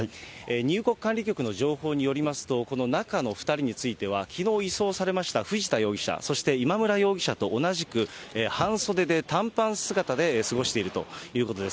入国管理局の情報によりますと、この中の２人については、きのう移送されました藤田容疑者、そして今村容疑者と同じく半袖で短パン姿で過ごしているということです。